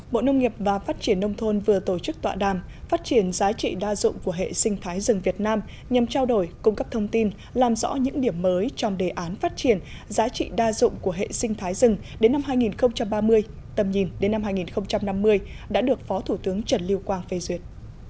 bộ nông nghiệp và phát triển nông thôn vừa tổ chức tọa đàm phát triển giá trị đa dụng của hệ sinh thái rừng việt nam nhằm trao đổi cung cấp thông tin làm rõ những điểm mới trong đề án phát triển giá trị đa dụng của hệ sinh thái rừng đến năm hai nghìn ba mươi tầm nhìn đến năm hai nghìn năm mươi đã được phó thủ tướng trần lưu quang phê duyệt